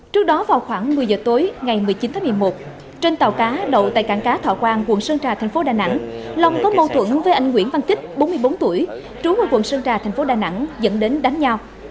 trước đó vào khoảng một mươi giờ tối ngày một mươi chín tháng một mươi một trên tàu cá đậu tại cảng cá thọ quang quận sơn trà thành phố đà nẵng long có mâu thuẫn với anh nguyễn văn kích bốn mươi bốn tuổi trú ở quận sơn trà thành phố đà nẵng dẫn đến đánh nhau